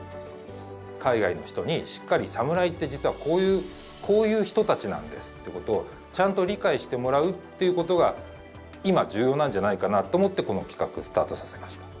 海外の人にしっかり「サムライって実はこういう人たちなんです」ってことをちゃんと理解してもらうっていうことが今重要なんじゃないかなと思ってこの企画スタートさせました。